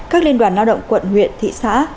các liên đoàn lao động quận huyện thị xã